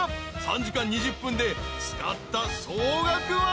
［３時間２０分で使った総額は］